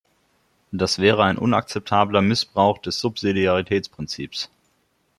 Das wäre ein unakzeptabler Missbrauch des Subsidiaritätsprinzips.